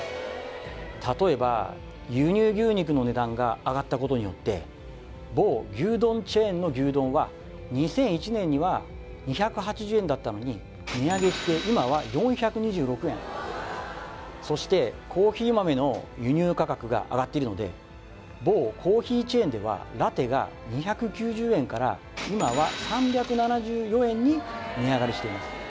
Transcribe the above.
例えば輸入牛肉の値段が上がったことによって某牛丼チェーンの牛丼は２００１年には２８０円だったのに値上げして今は４２６円そしてコーヒー豆の輸入価格が上がっているので某コーヒーチェーンではラテが２９０円から今は３７４円に値上がりしています